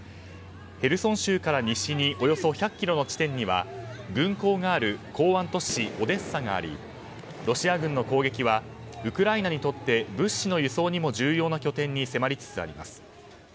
ヘルソン州から西におよそ１００ｋｍの地点には軍港がある港湾都市オデッサがありロシア軍の攻撃はウクライナにとって物資の輸送にも重要な拠点に迫りつつあります。